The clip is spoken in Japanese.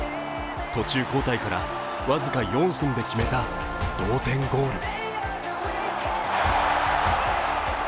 途中交代から僅か４分で決めた同点ゴール。